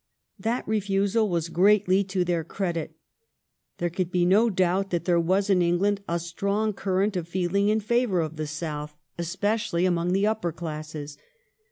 That refusal was greatly to their credit. There could be no doubt that there was in England a strong cur* rent of feeling in favour of the South, especially among the upper classes.